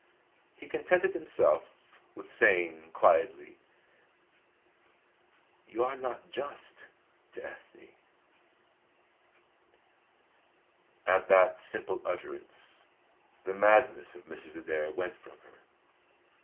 He contented himself with saying quietly: "You are not just to Ethne." At that simple utterance the madness of Mrs. Adair went from her.